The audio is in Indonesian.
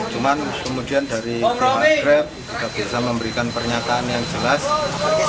cuman kemudian dari pihak grab juga bisa memberikan pernyataan yang jelas